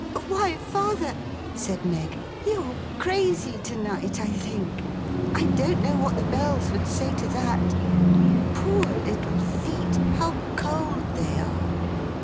'Why, father!' said Meg. 'You're crazy to night, I think. I don't know what the Bells would say to that. Poor little feet. How cold they are!